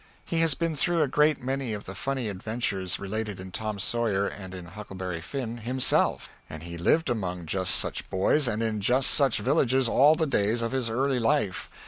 He has been through a great many of the funny adventures related in "Tom Sawyer" and in "Huckleberry Finn," himself and he lived among just such boys, and in just such villages all the days of his early life.